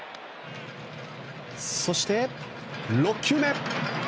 そして６球目。